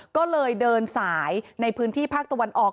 ก็เลยเดินสายในพื้นที่ภาคตะวันออก